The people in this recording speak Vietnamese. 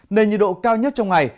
nền nhiệt độ cao nhất trong ngày